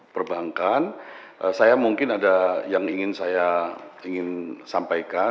perbankan saya mungkin ada yang ingin saya ingin sampaikan